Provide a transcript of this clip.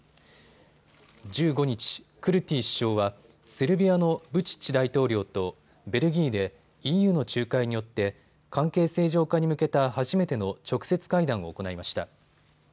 １５日、クルティ首相はセルビアのブチッチ大統領とベルギーでＥＵの仲介によって関係正常化に向けた初めての直接会談を行いました。